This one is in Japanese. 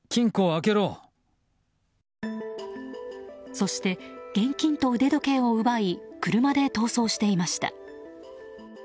そして、現金と腕時計を奪い車で逃走していました。